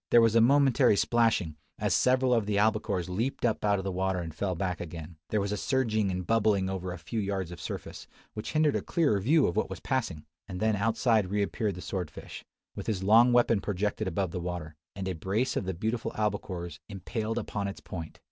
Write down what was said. There was a momentary plashing, as several of the albacores leaped up out of the water and fell back again, there was a surging and bubbling over a few yards of surface, which hindered a clearer view of what was passing; and then outside reappeared the sword fish, with his long weapon projected above the water, and a brace of the beautiful albacores impaled upon its point!